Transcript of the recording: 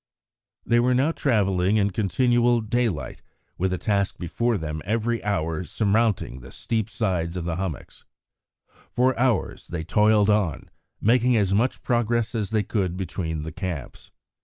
They were now travelling in continual daylight, with a task before them every hour of surmounting the steep sides of hummocks. For hours they toiled on, making as much progress as they could between the camps.